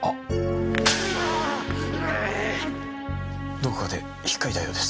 どこかで引っかいたようです。